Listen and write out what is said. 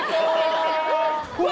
うわ！